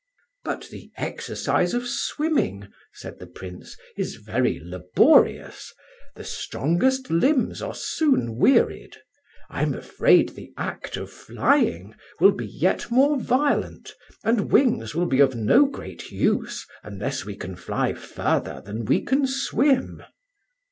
"But the exercise of swimming," said the Prince, "is very laborious; the strongest limbs are soon wearied. I am afraid the act of flying will be yet more violent; and wings will be of no great use unless we can fly further than we can swim."